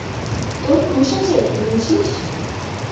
তোর হুশ আছে কি বলছিস?